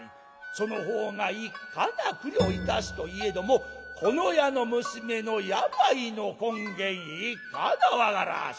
そのほうがいかな苦慮いたすといえどもこの家の娘の病の根源いかな分からず。